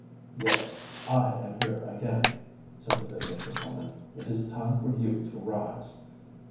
"Yes—I am here again," said the vindictive woman. "It is time for you to rise."